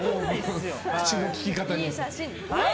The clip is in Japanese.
口のきき方に。